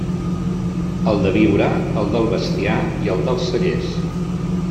El de viure, el del bestiar i el dels cellers.